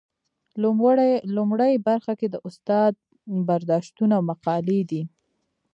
لومړۍ برخه کې د استاد برداشتونه او مقالې دي.